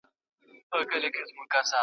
غر که هر څومره وي لوړ پر سر یې لار سته ..